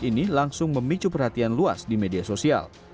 ini langsung memicu perhatian luas di media sosial